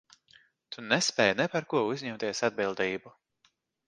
Tu nespēj ne par ko uzņemties atbildību.